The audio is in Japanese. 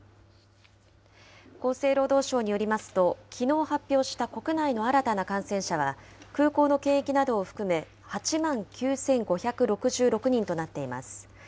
厚生労働省によりますと、きのう発表した国内の新たな感染者は空港の検疫などを含め、８万９５６６人となっています。